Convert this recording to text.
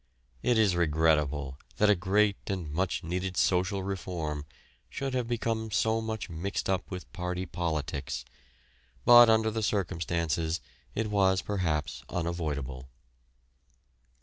It is regrettable that a great and much needed social reform should have become so much mixed up with party politics, but under the circumstances it was perhaps unavoidable.